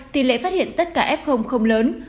thì lệ phát hiện tất cả f không lớn